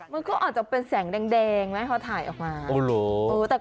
มันก็อาจจะเป็นแสงแดงไหมพอถ่ายออกมา